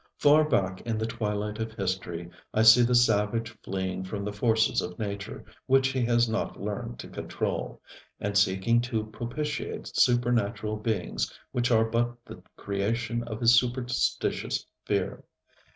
Far back in the twilight of history I see the savage fleeing from the forces of nature which he has not learned to control, and seeking to propitiate supernatural beings which are but the creation of his superstitious fear.